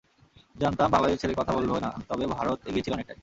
জানতাম বাংলাদেশ ছেড়ে কথা বলবে না, তবে ভারত এগিয়ে ছিল অনেকটাই।